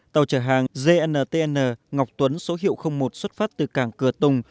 tàu chở hàng dntn ngọc tuấn số hiệu một xuất phát từ cảng cửa tùng